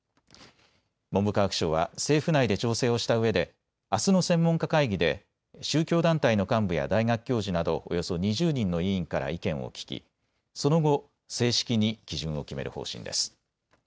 文部科学省は政府内で調整をしたうえであすの専門家会議で宗教団体の幹部や大学教授などおよそ２０人の委員から意見を聴き、その後、正式に基準を決める方針です。